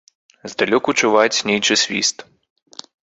Здалёку чуваць нейчы свіст.